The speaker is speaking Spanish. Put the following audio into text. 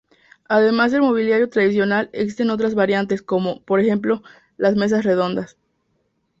Además del mobiliario tradicional existen otras variantes, como, por ejemplo, las mesas redondas.